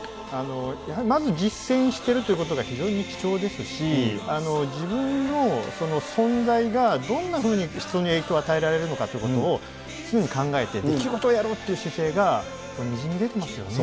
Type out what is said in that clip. まず実践してるということが非常に貴重ですし、自分の存在がどんなふうに人に影響を与えられるのかということを常に考えて、仕事をやろうっていう姿勢がにじみ出てますよね。